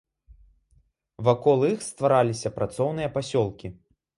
Вакол іх ствараліся працоўныя пасёлкі.